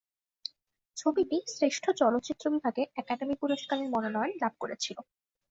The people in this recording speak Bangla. ছবিটি শ্রেষ্ঠ চলচ্চিত্র বিভাগে একাডেমি পুরস্কারের মনোনয়ন লাভ করেছিল।